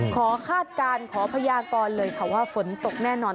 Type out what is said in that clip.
คาดการณ์ขอพยากรเลยค่ะว่าฝนตกแน่นอน